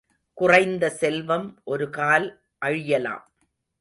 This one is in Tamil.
குறைந்த செல்வம் ஒருகால் அழியலாம்.